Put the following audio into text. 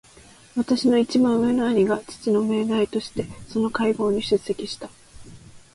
私の一番上の兄が父の名代としてその会合に出席した。